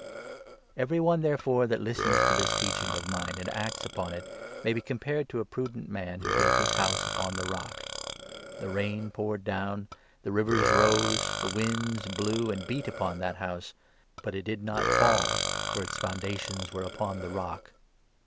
The two Every one, therefore, that listens to this teaching Foundations, of mine and acts upon it may be compared to a prudent man, who built his house upon the rock. The rain poured down, the rivers rose, the winds blew and beat upon that house, but It did not fall, for its foundations were upon the rock.